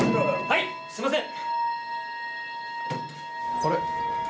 はいすいません！